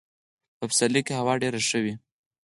په پسرلي کي هوا ډېره ښه وي .